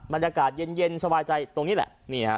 บรรยากาศเย็นสบายใจตรงนี้แหละ